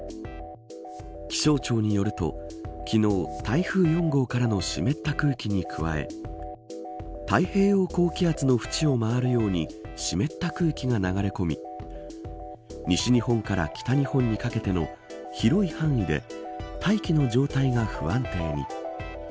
気象庁によると、昨日台風４号からの湿った空気に加え太平洋高気圧の縁を回るように湿った空気が流れ込み西日本から北日本にかけての広い範囲で大気の状態が不安定に。